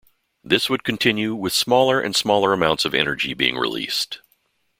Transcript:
This would continue, with smaller and smaller amounts of energy being released.